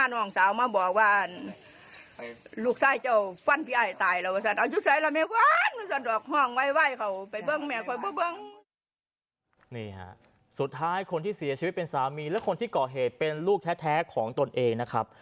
นี่ฮะสุดท้ายคนที่เสียชีวิตเป็นสามีและคนที่ก่อเหตุเป็นลูกแท้ของตนเองนะครับ